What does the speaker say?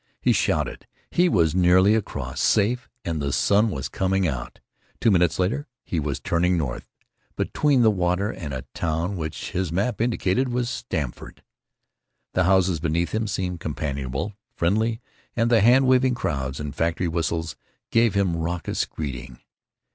He shouted. He was nearly across. Safe. And the sun was coming out. Two minutes later he was turning north, between the water and a town which his map indicated as Stamford. The houses beneath him seemed companionable; friendly were the hand waving crowds, and factory whistles gave him raucous greeting.